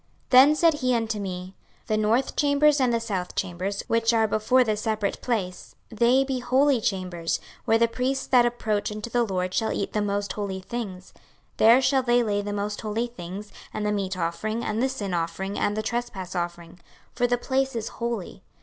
26:042:013 Then said he unto me, The north chambers and the south chambers, which are before the separate place, they be holy chambers, where the priests that approach unto the LORD shall eat the most holy things: there shall they lay the most holy things, and the meat offering, and the sin offering, and the trespass offering; for the place is holy.